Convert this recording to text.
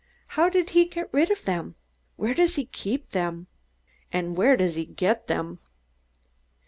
How did he get rid of them? Where does he keep them? And where does he get them?"